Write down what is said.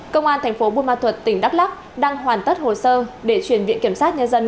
công an tp buôn ma thuật tỉnh đắk lắk đang hoàn tất hồ sơ để truyền viện kiểm soát nhân dân